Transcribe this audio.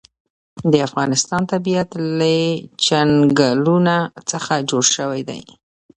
د افغانستان طبیعت له چنګلونه څخه جوړ شوی دی.